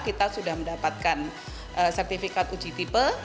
kita sudah mendapatkan sertifikat uji tipe